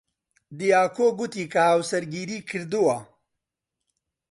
دیاکۆ گوتی کە هاوسەرگیری کردووە.